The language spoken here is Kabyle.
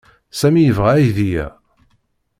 Sami yebɣa aydi-a.